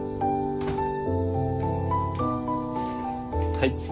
はい。